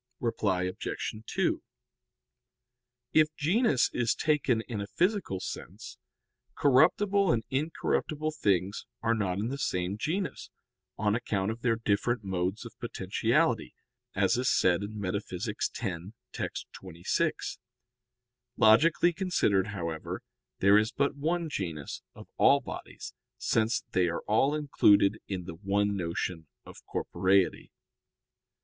Reply Obj. 2: If genus is taken in a physical sense, corruptible and incorruptible things are not in the same genus, on account of their different modes of potentiality, as is said in Metaph. x, text. 26. Logically considered, however, there is but one genus of all bodies, since they are all included in the one notion of corporeity.